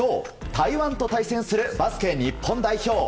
台湾と対戦するバスケ日本代表。